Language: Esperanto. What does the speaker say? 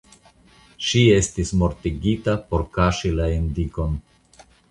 Ŝi estis mortigita por kaŝi la indikon.